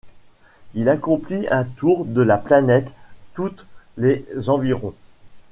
Il accomplit un tour de la planète toutes les environ.